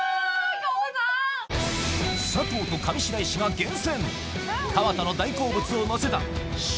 そばとは⁉佐藤と上白石が厳選！